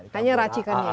hanya racikan ya itu